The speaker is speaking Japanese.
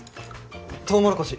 トウモロコシ。